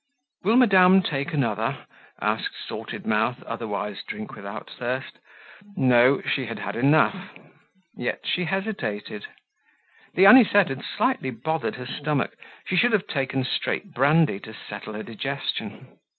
"Will madame take another?" asked Salted Mouth, otherwise Drink without Thirst. No, she had had enough. Yet she hesitated. The anisette had slightly bothered her stomach. She should have taken straight brandy to settle her digestion.